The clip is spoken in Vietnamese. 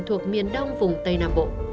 thuộc miền đông vùng tây nam bộ